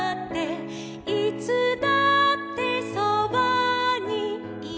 「いつだってそばにいるよ」